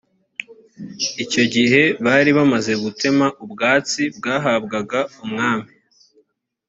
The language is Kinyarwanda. i icyo gihe bari bamaze gutema ubwatsi bwahabwaga umwami